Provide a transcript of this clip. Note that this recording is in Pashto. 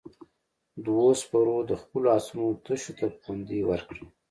دوو سپرو د خپلو آسونو تشو ته پوندې ورکړې.